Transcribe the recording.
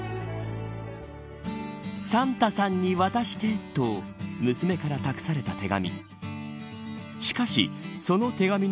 サンタさんに渡してと娘から託された手紙。